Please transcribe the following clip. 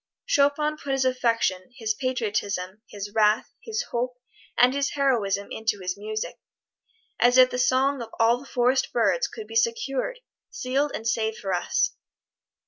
Chopin put his affection, his patriotism, his wrath, his hope, and his heroism into his music as if the song of all the forest birds could be secured, sealed and saved for us!